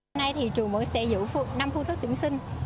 hôm nay thì trường mới sẽ giữ năm phương thức tuyển sinh